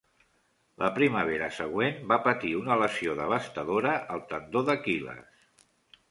La primavera següent, va patir una lesió devastadora al tendó d'Aquil·les.